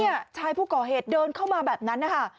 นี่ชายผู้ก่อเหตุเดินเข้ามาแบบนั้น